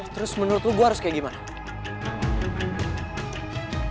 terus menurut lo gue harus kayak gimana